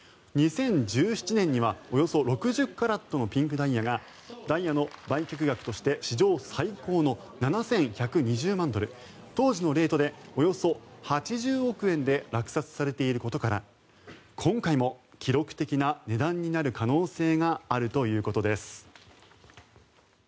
２０１７年にはおよそ６０カラットのピンクダイヤがダイヤの売却額として史上最高の７１２０万ドル当時のレートでおよそ８０億円で落札されていることから今回も記録的な値段になる可能性があるということです。